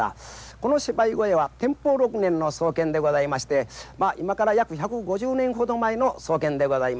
この芝居小屋は天保６年の創建でございまして今から約１５０年ほど前の創建でございます。